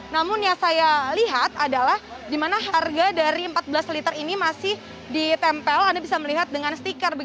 namun yang saya lihat adalah di mana harga dari empat belas liter ini masih ditempel anda bisa melihat dengan stiker